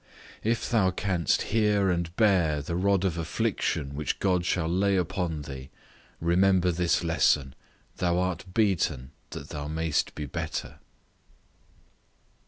If thou canst hear and bear the rod of affliction which God shall lay upon thee, remember this lesson, thou art beaten that thou mayst be better.